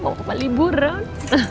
mau ke maliburan